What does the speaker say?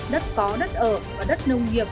đất có đất ở và đất nông nghiệp